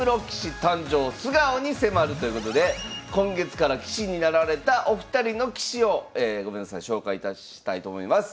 今日はということで今月から棋士になられたお二人の棋士をえごめんなさい紹介いたしたいと思います。